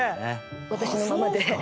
私のままで。